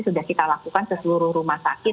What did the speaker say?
sudah kita lakukan ke seluruh rumah sakit